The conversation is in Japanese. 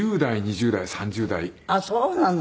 あっそうなの。